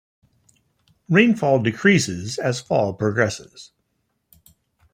Rainfall decreases as fall progresses.